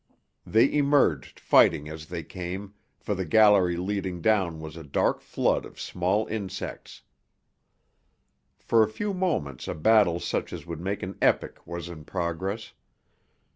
They emerged, fighting as they came, for the gallery leading down was a dark flood of small insects. For a few moments a battle such as would make an epic was in progress.